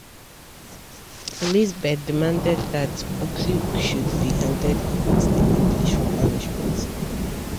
Elizabeth demanded that Buccleuch should be handed over to the English for punishment.